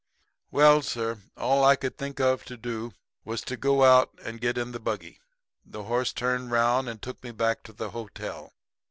"Well, sir, all I could think of to do was to go out and get in the buggy. The horse turned round and took me back to the hotel.